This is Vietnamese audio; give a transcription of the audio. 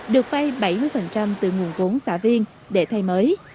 được vay bảy mươi từ nguồn vốn xã viên để thay mới